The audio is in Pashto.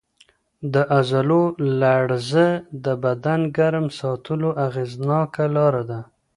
د عضلو لړزه د بدن ګرم ساتلو اغېزناکه لار ده.